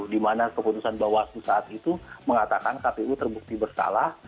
di mana keputusan bawah itu saat itu mengatakan kpu terbukti bersalah